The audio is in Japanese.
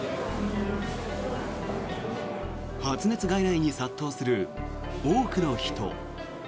発熱外来に殺到する多くの人。